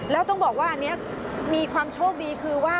แล้วต้องบอกว่าอันนี้มีความโชคดีคือว่า